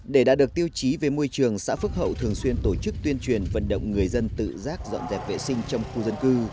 để đạt được tiêu chí về môi trường xã phước hậu thường xuyên tổ chức tuyên truyền vận động người dân tự giác dọn dẹp vệ sinh trong khu dân cư